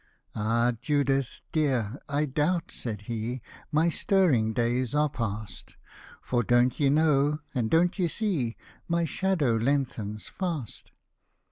" Ah ! Judith, dear, I doubt," said he, " My stirring days are past : For don't ye know, and don't ye see, My shadow lengthens fast."